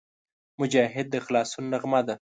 مجاهد د خلاصون نغمه ده.